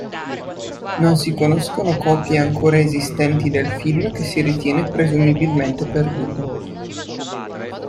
Non si conoscono copie ancora esistenti del film che si ritiene presumibilmente perduto.